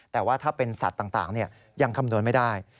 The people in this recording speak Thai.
แต่ว่าถ้าเป็นสัตว์ต่างยังคำนวณไม่ได้